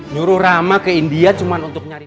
nyuruh rama ke india cuma untuk nyari